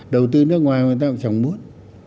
đầu tư nước ngoài người ta cũng chẳng muốn